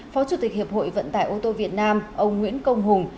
phó chủ tịch hiệp hội vận tải ô tô việt nam ông nguyễn công hùng